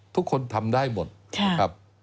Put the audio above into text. ทุกคนทำได้หมดนะครับ